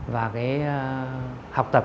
và cái học tập